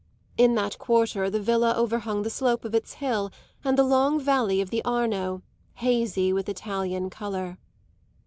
In that quarter the villa overhung the slope of its hill and the long valley of the Arno, hazy with Italian colour.